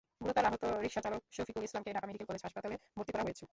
গুরুতর আহত রিকশাচালক শফিকুল ইসলামকে ঢাকা মেডিকেল কলেজ হাসপাতালে ভর্তি করা হয়েছে।